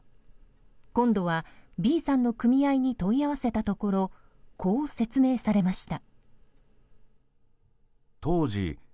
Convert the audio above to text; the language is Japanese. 今度は、Ｂさんの組合に問い合わせたところこう説明されました。